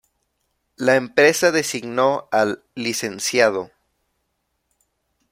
La empresa designó al Lic.